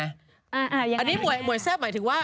อันนี้หวยแซ่บหมายถึงว่า